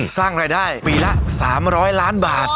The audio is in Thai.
สร้างรายได้ปีละ๓๐๐ล้านบาท